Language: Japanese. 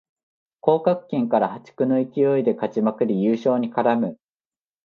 降格圏から破竹の勢いで勝ちまくり優勝に絡む